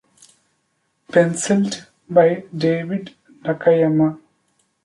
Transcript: Penciled by David Nakayama.